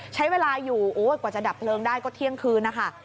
ใช้เวลาอยู่โอ้ยกว่าจะดับเพลิงได้ก็เที่ยงคืนนะคะ